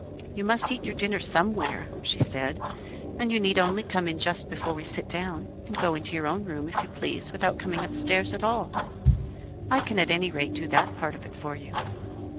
"You must eat your dinner somewhere," she said, "and you need only come in just before we sit down, and go into your own room if you please without coming upstairs at all. I can at any rate do that part of it for you."